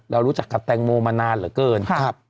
รู้จักกับแตงโมมานานเหลือเกิน